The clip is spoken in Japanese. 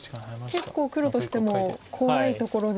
結構黒としても怖いところですか。